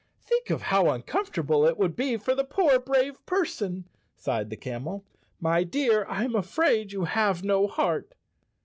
"Think how uncomfortable it would be for the poor brave person," sighed the camel. "My dear, I am afraid you have no heart."